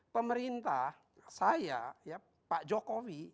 pemerintah saya pak jokowi